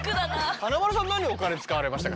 華丸さん何にお金使われましたか？